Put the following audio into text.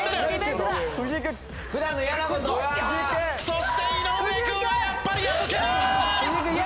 そして井上君はやっぱり破けない！